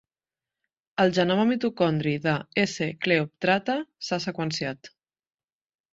El genoma mitocondri de "S. coleoptrata" s'ha seqüenciat.